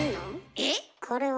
え⁉これは？